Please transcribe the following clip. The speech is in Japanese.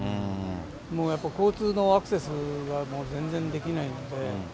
もうやっぱり交通のアクセスが全然できないんで。